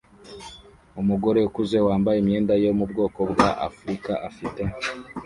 Umugore ukuze wambaye imyenda yo mu bwoko bwa Afurika afite